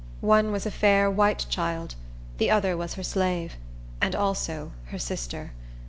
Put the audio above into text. One was a fair white child; the other was her slave, and also her sister.